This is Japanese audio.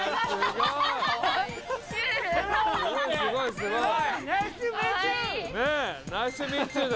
すごい！